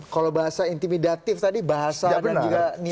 kalau bahasa intimidatif tadi bahasa dan juga niatnya